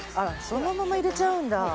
そのまま入れちゃうんだ。